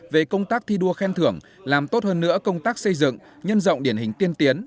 về công tác thi đua khen thưởng làm tốt hơn nữa công tác xây dựng nhân rộng điển hình tiên tiến